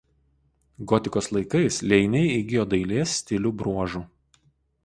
Gotikos laikais liejiniai įgijo dailės stilių bruožų.